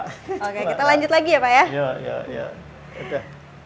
oke kita lanjut lagi ya pak ya